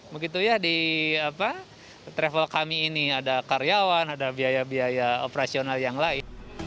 begitu ya di travel kami ini ada karyawan ada biaya biaya operasional yang lain